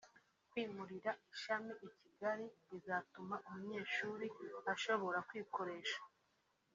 […] kwimurira ishami i Kigali bizatuma umunyeshuri ashobora kwikoresha